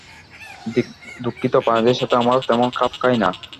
দুঃখিত, প্রাণীদের সাথে আমার তেমন খাপ খায় না।